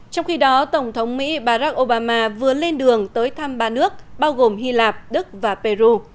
trong khi đó tổng thống mỹ barack obama vừa lên đường tới thăm ba nước bao gồm hy lạp đức và peru